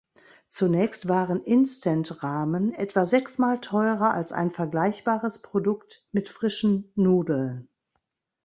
Zunächst waren Instant-Ramen etwa sechsmal teurer als ein vergleichbares Produkt mit frischen Nudeln.